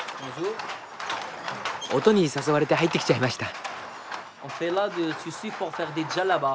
音に誘われて入ってきちゃいました。